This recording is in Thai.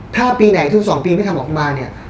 ถ้าปีไหนทุก๒ปีไม่ทำออกมาเนี่ย